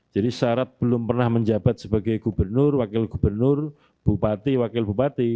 jadi syarat belum pernah menjabat sebagai gubernur wakil gubernur bupati wakil bupati